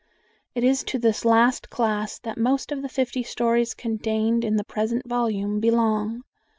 It is to this last class that most of the fifty stories contained in the present volume belong.